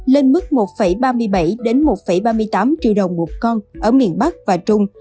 lên mức một ba mươi bảy một ba mươi tám triệu đồng một con ở miền bắc và trung